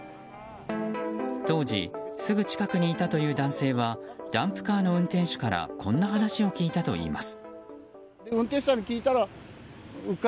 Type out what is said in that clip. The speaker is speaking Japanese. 当時、すぐ近くにいたという男性はダンプカーの運転手からこんな話を聞いたといいます。